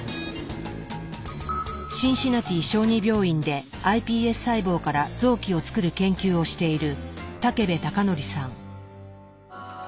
シンシナティ小児病院でｉＰＳ細胞から臓器を作る研究をしている武部貴則さん。